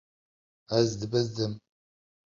Ez dibizdim.